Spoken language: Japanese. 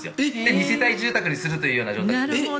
２世帯住宅にするという状態。